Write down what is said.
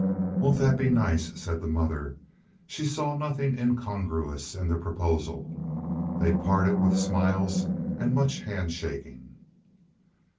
"Won't that be nice?" said the mother. She saw nothing incongruous in the proposal. They parted with smiles and much handshaking.